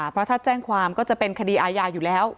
เพราะถ้าแจ้งความก็จะเป็นคดีอาญาอยู่แล้ว